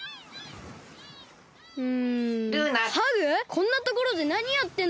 こんなところでなにやってんだよ？